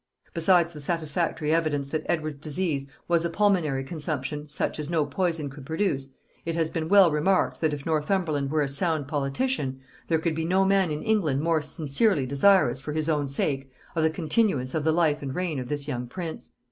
Besides the satisfactory evidence that Edward's disease was a pulmonary consumption, such as no poison could produce, it has been well remarked, that if Northumberland were a sound politician, there could be no man in England more sincerely desirous, for his own sake, of the continuance of the life and reign of this young prince.